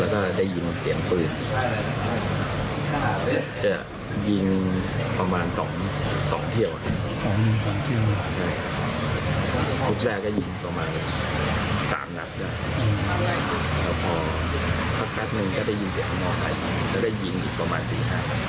จะได้ยินเสียงอ่อนไหร่จะได้ยินอีกประมาณ๔นาที